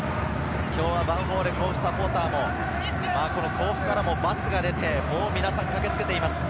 今日はヴァンフォーレ甲府サポーターも甲府からもバスが出て、皆さん駆けつけています。